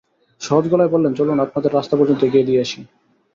সহজ গলায় বললেন, চলুন, আপনাদের রাস্তা পর্যন্ত এগিয়ে দিয়ে আসি।